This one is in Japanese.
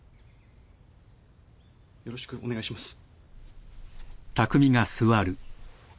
よろしくお願いします。